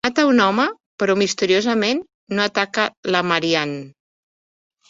Mata a un home però misteriosament no ataca la Marianne.